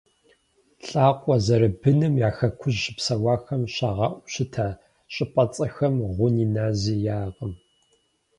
Лӏакъуэ зэрыбыным я Хэкужь щыпсэуахэм щагъэӏуу щыта щӏыпӏэцӏэхэм гъуни нэзи яӏэкъым.